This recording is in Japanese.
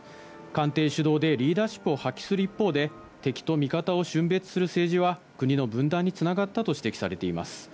官邸主導でリーダーシップを発揮する一方で、敵と味方をしゅん別する政治は国の分断につながったと指摘されています。